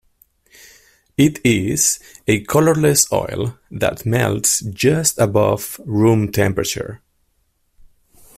It is a colorless oil that melts just above room temperature.